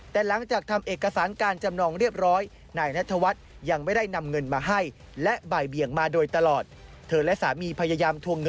แต่หลังจากทำเอกสารการจำนองเรียบร้อย